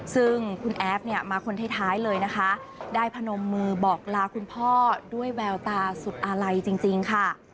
ซึ่งคุณแอฟเนี่ยมาคนท้ายเลยนะคะได้พนมมือบอกลาคุณพ่อด้วยแววตาสุดอาลัยจริงค่ะ